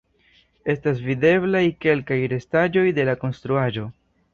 Estas videblaj kelkaj restaĵoj de la konstruaĵo.